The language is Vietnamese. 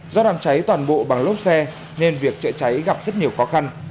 do đám cháy toàn bộ bằng lốp xe nên việc chữa cháy gặp rất nhiều khó khăn